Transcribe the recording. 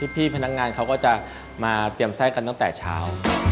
พี่พนักงานเขาก็จะมาเตรียมไส้กันตั้งแต่เช้า